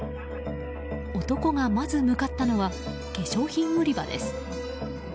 男がまず向かったのは化粧品売り場です。